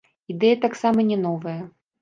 Ідэя таксама не новая.